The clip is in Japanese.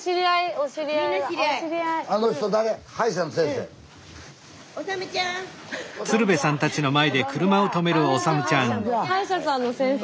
おさむちゃん！歯医者さんの先生。